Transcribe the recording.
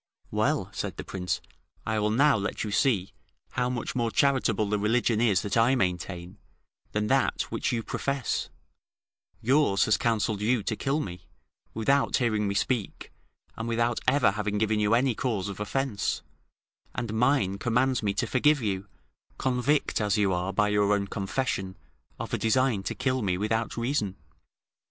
"Well," said the prince, "I will now let you see, how much more charitable the religion is that I maintain, than that which you profess: yours has counselled you to kill me, without hearing me speak, and without ever having given you any cause of offence; and mine commands me to forgive you, convict as you are, by your own confession, of a design to kill me without reason. [Imitated by Voltaire. See Nodier, Questions, p. 165.